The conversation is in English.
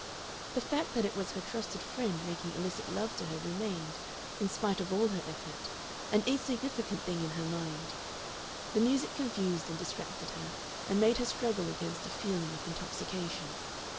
The fact that it was her trusted friend making illicit love to her remained, in spite of all her effort, an insignificant thing in her mind. The music confused and distracted her, and made her struggle against a feeling of intoxication.